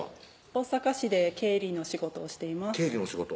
大阪市で経理の仕事をしています